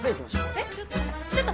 えっちょっと！